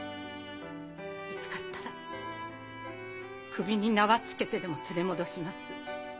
見つかったら首に縄つけてでも連れ戻します。